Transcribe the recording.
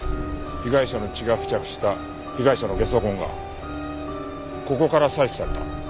被害者の血が付着した被害者のゲソ痕がここから採取された。